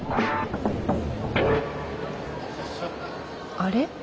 あれ？